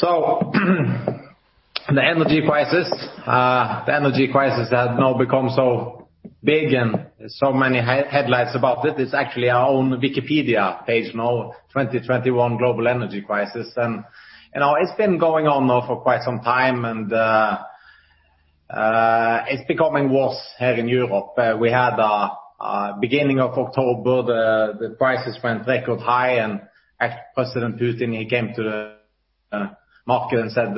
The energy crisis has now become so significant and so many headlines about it. It's actually our own Wikipedia page now, 2021 global energy crisis. You know, it's been going on now for quite some time, it's becoming worse here in Europe. We had beginning of October, the prices went record high and President Putin, he came to the market and said,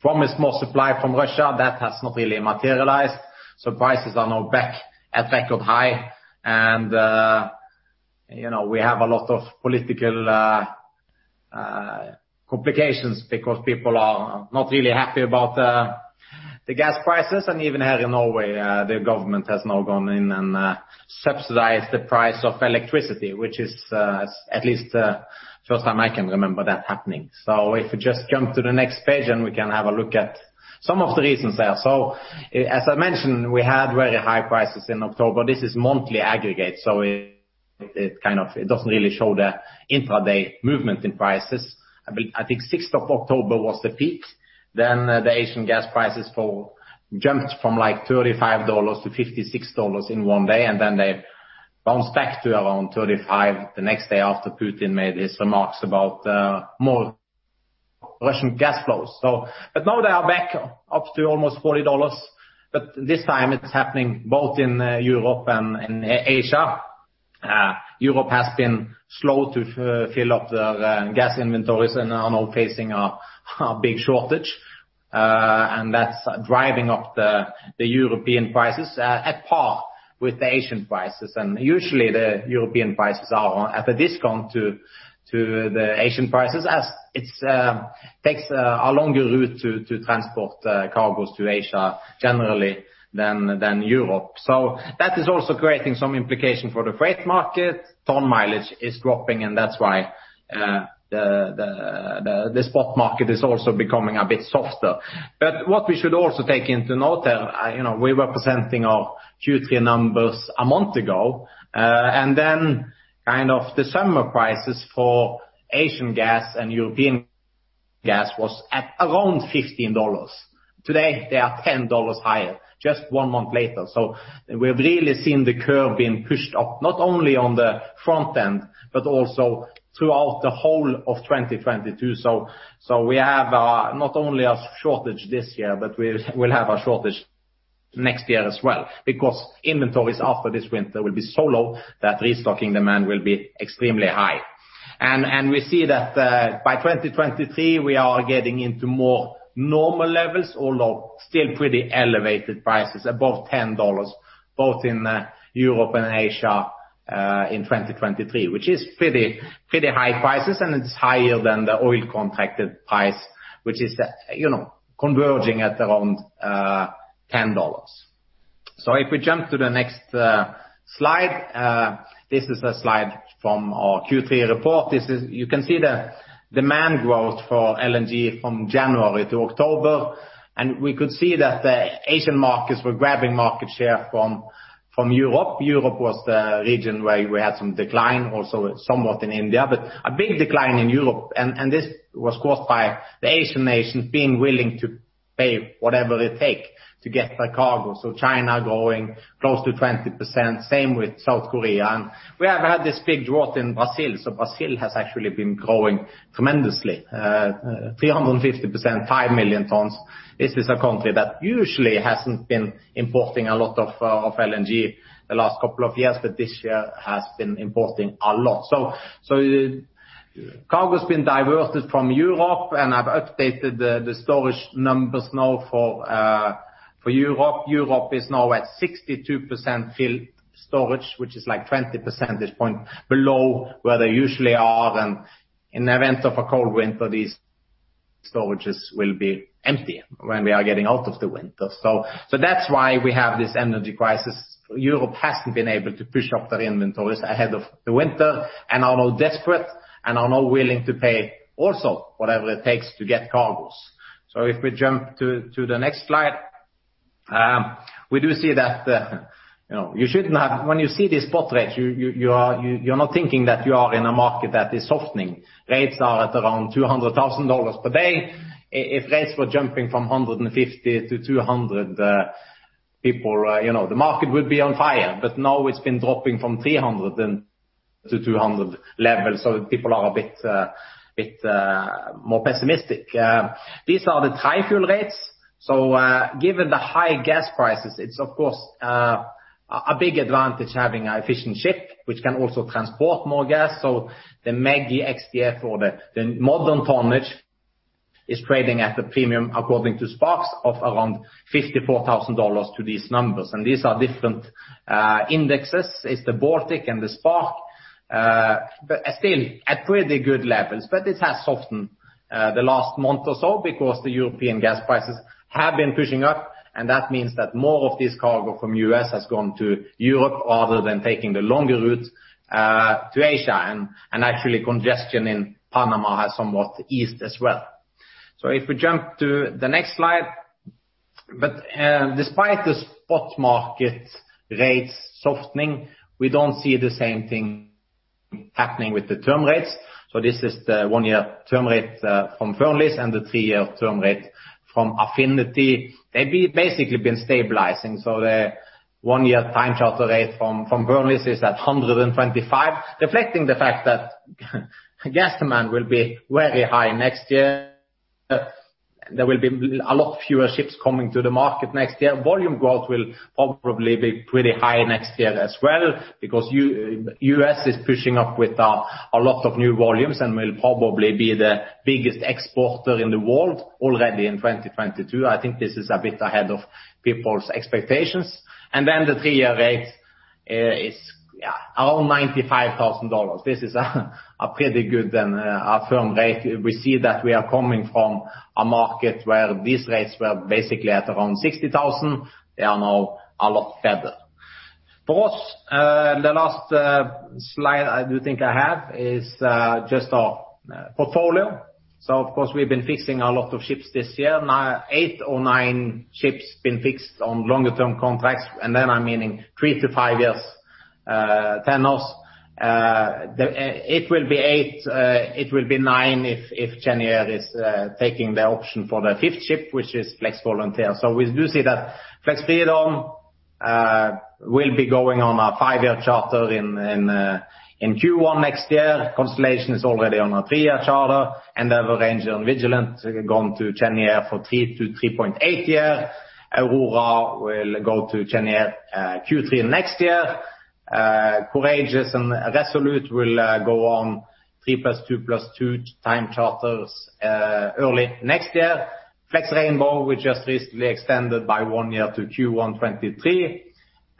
promised more supply from Russia. That has not really materialized, prices are now back at record high. You know, we have a lot of political complications because people are not really happy about the gas prices. Even here in Norway, the government has now gone in and subsidized the price of electricity, which is at least the first time I can remember that happening. If you just jump to the next page and we can have a look at some of the reasons there. As I mentioned, we had very high prices in October. This is monthly aggregate, so it kind of doesn't really show the intraday movement in prices. I think sixth of October was the peak. Then the Asian gas prices jumped from, like, $35 to $56 in one day, and then they bounced back to around $35 the next day after Putin made his remarks about more Russian gas flows. Now they are back up to almost $40. This time it's happening both in Europe and in Asia. Europe has been slow to fill up the gas inventories and are now facing a big shortage, and that's driving up the European prices at par with the Asian prices. Usually the European prices are at a discount to the Asian prices as it takes a longer route to transport cargos to Asia generally than Europe. That is also creating some implication for the freight market. Tonne miles is dropping, and that's why the spot market is also becoming a bit softer. What we should also take into note there, you know, we were presenting our Q3 numbers a month ago, and then kind of the summer prices for Asian gas and European gas was at around $15. Today, they are $10 higher, just one month later. We've really seen the curve being pushed up, not only on the front end, but also throughout the whole of 2022. We have not only a shortage this year, but we will have a shortage next year as well, because inventories after this winter will be so low that restocking demand will be extremely high. We see that by 2023, we are getting into more normal levels, although still pretty elevated prices above $10, both in Europe and Asia in 2023. Which is pretty high prices, and it's higher than the oil contracted price, which is, you know, converging at around $10. If we jump to the next slide, this is a slide from our Q3 report. You can see the demand growth for LNG from January to October. We could see that the Asian markets were grabbing market share from Europe. Europe was the region where we had some decline, also somewhat in India. A big decline in Europe, and this was caused by the Asian nations being willing to pay whatever it take to get the cargo. China growing close to 20%, same with South Korea. We have had this big drought in Brazil, so Brazil has actually been growing tremendously, 350%, 5 million tons. This is a country that usually hasn't been importing a lot of LNG the last couple of years, but this year has been importing a lot. Cargo's been diverted from Europe, and I've updated the storage numbers now for Europe. Europe is now at 62% filled storage, which is like 20 percentage points below where they usually are. In the event of a cold winter, these storages will be empty when we are getting out of the winter. That's why we have this energy crisis. Europe hasn't been able to push up their inventories ahead of the winter and are now desperate and are now willing to pay also whatever it takes to get cargos. If we jump to the next slide, we do see that when you see these spot rates, you are not thinking that you are in a market that is softening. Rates are at around $200,000 per day. If rates were jumping from 150 to 200, people, you know, the market would be on fire. Now it's been dropping from 300 to 200 levels, so people are a bit more pessimistic. These are the high fuel rates. Given the high gas prices, it's of course a big advantage having an efficient ship which can also transport more gas. The MEGI X-DF or the modern tonnage is trading at a premium according to Spark's of around $54,000 to these numbers. These are different indexes. It's the Baltic and the Spark. Still at pretty good levels, but it has softened the last month or so because the European gas prices have been pushing up, and that means that more of this cargo from the U.S. has gone to Europe rather than taking the longer route to Asia and actually congestion in Panama has somewhat eased as well. If we jump to the next slide. Despite the spot market rates softening, we don't see the same thing happening with the term rates. This is the one-year term rate from Fearnleys, and the three-year term rate from Affinity. They've basically been stabilizing. The one-year time charter rate from Fearnleys is at $125, reflecting the fact that gas demand will be very high next year. There will be a lot fewer ships coming to the market next year. Volume growth will probably be pretty high next year as well because the U.S. is pushing up with a lot of new volumes and will probably be the biggest exporter in the world already in 2022. I think this is a bit ahead of people's expectations. The three-year rate is around $95,000. This is a pretty good and a firm rate. We see that we are coming from a market where these rates were basically at around $60,000. They are now a lot better. For us, the last slide I do think I have is just our portfolio. Of course, we've been fixing a lot of ships this year. Now eight or nine ships been fixed on longer-term contracts, and then I mean 3 to 5 years tenors. It will be eight. It will be nine if Cheniere is taking the option for the fifth ship, which is Flex Volunteer. We do see that Flex Freedom will be going on a 5-year charter in Q1 next year. Constellation is already on a 3-year charter. Endeavour, Ranger, and Vigilant have gone to Cheniere for 3-3.8 year. Aurora will go to Cheniere Q3 next year. Courageous and Resolute will go on 3 + 2 + 2 time charters early next year. Flex Rainbow, we just recently extended by 1 year to Q1 2023.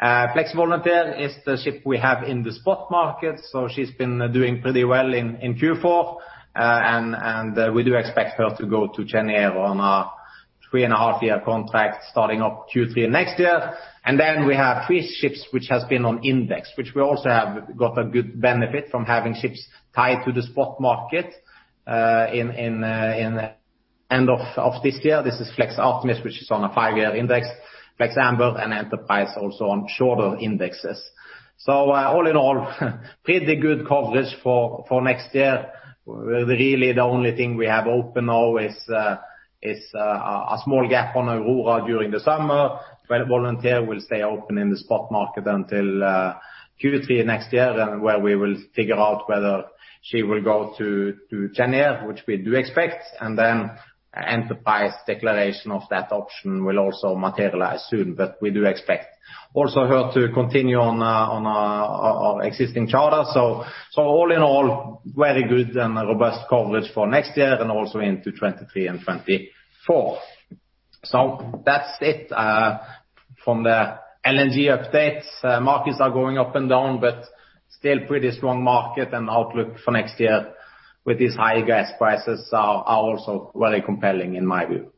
Flex Volunteer is the ship we have in the spot market, so she's been doing pretty well in Q4. We do expect her to go to Cheniere on a 3.5-year contract starting up Q3 next year. We have three ships which have been on index, which we also have got a good benefit from having ships tied to the spot market in end of this year. This is Flex Optimist, which is on a five-year index. Flex Amber and Flex Enterprise also on shorter indexes. All in all, pretty good coverage for next year. Really the only thing we have open now is a small gap on Flex Aurora during the summer. Flex Volunteer will stay open in the spot market until Q3 next year and where we will figure out whether she will go to Cheniere, which we do expect. Flex Enterprise declaration of that option will also materialize soon. But we do expect also her to continue on our existing charter. All in all, very good and robust coverage for next year and also into 2023 and 2024. That's it from the LNG updates. Markets are going up and down, but still pretty strong market and outlook for next year with these high gas prices are also very compelling in my view.